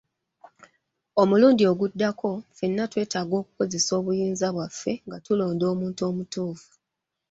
Omulundi oguddako ffenna twetaaga okukozesa obuyinza bwaffe nga tulonda omuntu omutuufu.